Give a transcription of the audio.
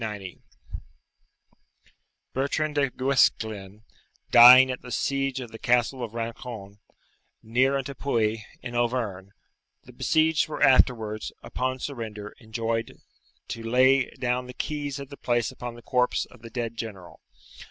890.] Bertrand de Guesclin, dying at the siege of the Castle of Rancon, near unto Puy, in Auvergne, the besieged were afterwards, upon surrender, enjoined to lay down the keys of the place upon the corpse of the dead general.